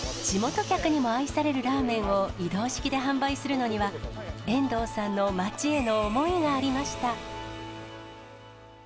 地元客にも愛されるラーメンを移動式で販売するのには、遠藤さんの町への思いがありました。